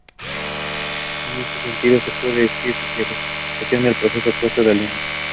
En ese sentido, se puede decir socialización es el proceso opuesto a alienación.